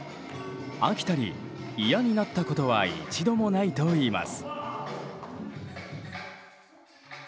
飽きたり嫌になったことは一度もないといいます。